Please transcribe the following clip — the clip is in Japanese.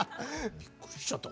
びっくりしちゃった。